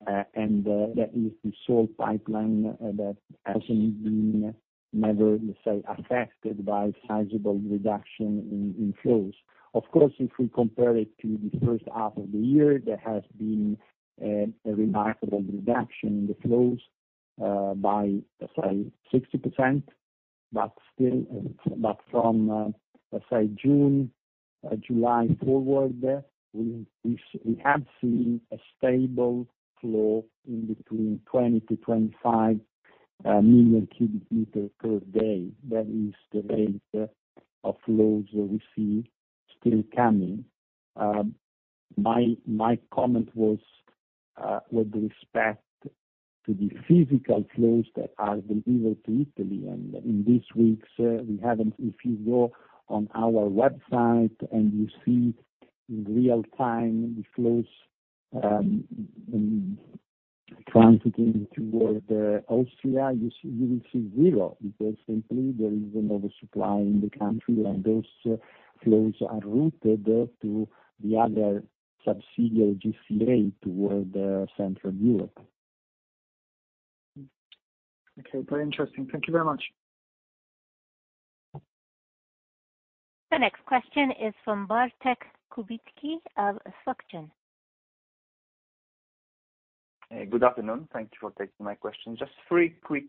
B: and that is the sole pipeline that hasn't been never, let's say, affected by a sizable reduction in flows. Of course, if we compare it to the first half of the year, there has been a remarkable reduction in the flows by, let's say, 60%. From let's say June, July forward, we have seen a stable flow in between 20-25 million cubic meters per day. That is the rate of flows that we see still coming. My comment was with respect to the physical flows that are delivered to Italy. In these weeks, we haven't. If you go on our website and you see in real time the flows transiting toward Austria, you will see zero because simply there is an oversupply in the country, and those flows are routed to the other subsidiary, GCA, toward Central Europe.
G: Okay. Very interesting. Thank you very much.
A: The next question is from Bartek Kubicki of FactSet.
H: Good afternoon. Thank you for taking my question. Just three quick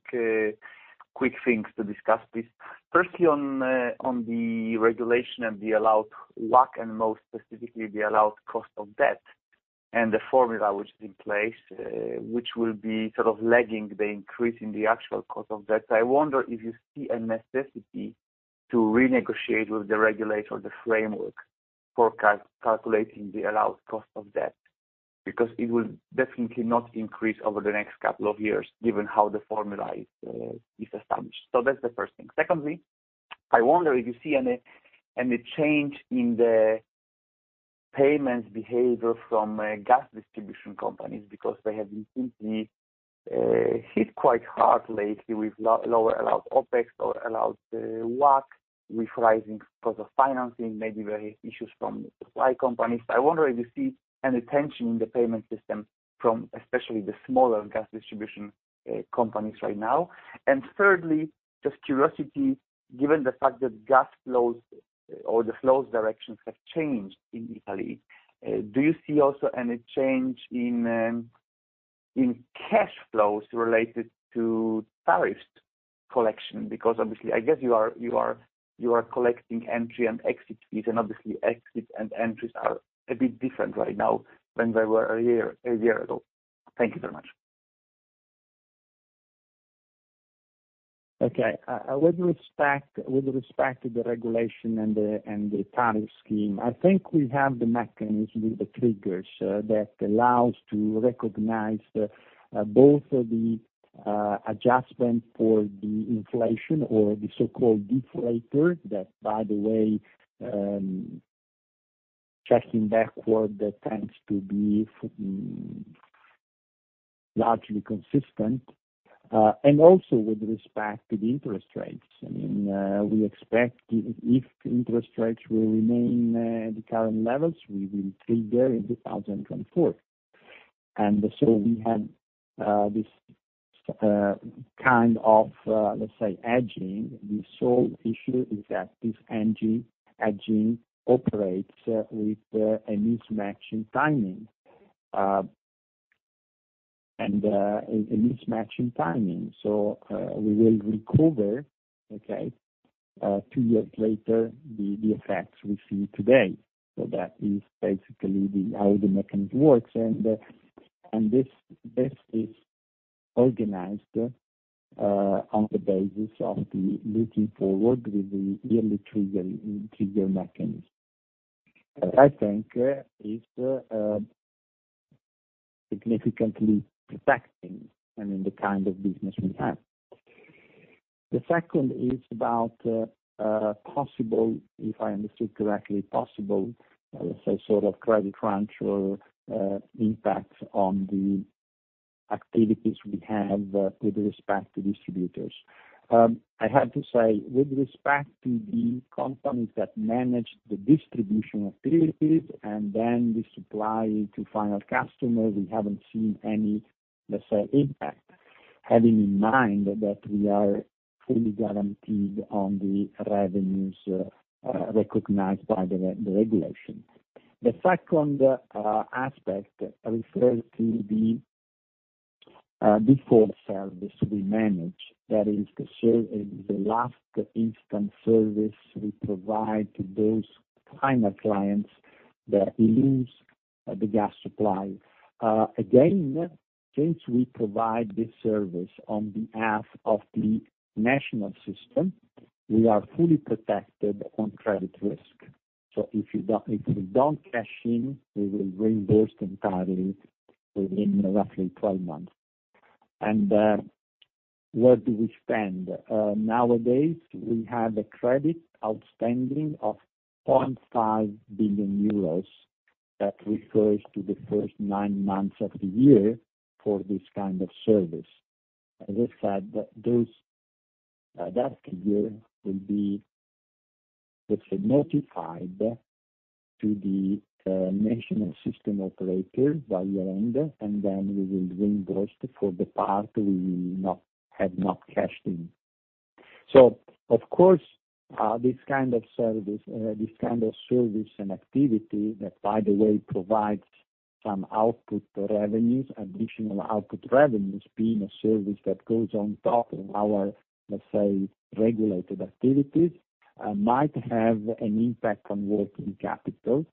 H: things to discuss, please. Firstly, on the regulation and the allowed WACC, and more specifically, the allowed cost of debt and the formula which is in place, which will be sort of lagging the increase in the actual cost of debt. I wonder if you see a necessity to renegotiate with the regulator the framework for calculating the allowed cost of debt, because it will definitely not increase over the next couple of years, given how the formula is established. That's the first thing. Secondly, I wonder if you see any change in the payments behavior from gas distribution companies because they have been simply hit quite hard lately with lower allowed OpEx or allowed WACC with rising cost of financing, maybe various issues from supply companies. I wonder if you see any tension in the payment system from especially the smaller gas distribution companies right now. Thirdly, just curiosity, given the fact that gas flows or the flows directions have changed in Italy, do you see also any change in cash flows related to tariff collection? Because obviously, I guess you are collecting entry and exit fees, and obviously exits and entries are a bit different right now than they were a year ago. Thank you very much.
B: Okay. With respect to the regulation and the tariff scheme, I think we have the mechanism with the triggers that allows to recognize both the adjustment for the inflation or the so-called deflator, that by the way, checking backward, that tends to be largely consistent, and also with respect to the interest rates. I mean, we expect if interest rates will remain at the current levels, we will trigger in 2024. We have this kind of, let's say, hedging. The sole issue is that this hedging operates with a mismatch in timing. We will recover, okay, two years later, the effects we see today. That is basically how the mechanism works. This is organized on the basis of the looking forward with the yearly trigger mechanism. I think is significantly protecting, I mean, the kind of business we have. The second is about possible, if I understood correctly, say sort of credit crunch or impact on the activities we have with respect to distributors. I have to say with respect to the companies that manage the distribution activities and then the supply to final customers, we haven't seen any, let's say, impact. Having in mind that we are fully guaranteed on the revenues recognized by the regulation. The second aspect refers to the default service we manage. That is the last instance service we provide to those kind of clients that lose the gas supply. Again, since we provide this service on behalf of the national system, we are fully protected on credit risk. If we don't cash in, we will reimbursed entirely within roughly 12 months. What do we spend? Nowadays, we have a credit outstanding of 0.5 billion euros that refers to the first 9 months of the year for this kind of service. As I said, that figure will be, let's say, notified to the national system operator by year-end, and then we will reimbursed for the part we have not cashed in. Of course, this kind of service and activity that, by the way, provides some output revenues, additional output revenues, being a service that goes on top of our, let's say, regulated activities, might have an impact on working capital,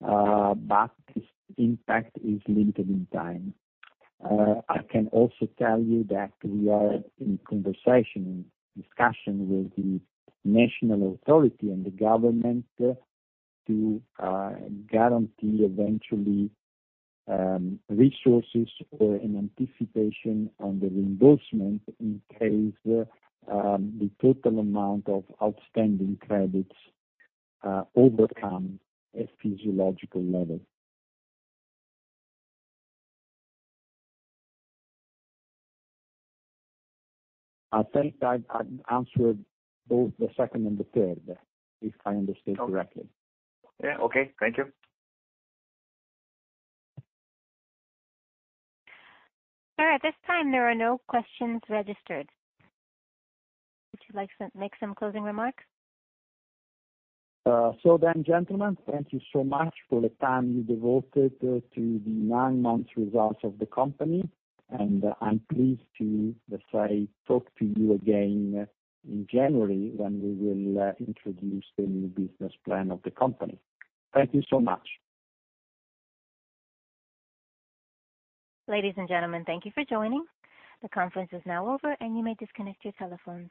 B: but this impact is limited in time. I can also tell you that we are in conversation, discussion with the national authority and the government to guarantee eventually resources or an anticipation on the reimbursement in case the total amount of outstanding credits overcome its physiological level. I think I answered both the second and the third, if I understood correctly.
H: Okay. Yeah. Okay. Thank you.
A: Sir, at this time, there are no questions registered. Would you like to make some closing remarks?
B: Gentlemen, thank you so much for the time you devoted to the nine months results of the company. I'm pleased to, let's say, talk to you again in January, when we will introduce the new business plan of the company. Thank you so much.
A: Ladies and gentlemen, thank you for joining. The conference is now over, and you may disconnect your telephones.